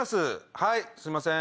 はいすいません。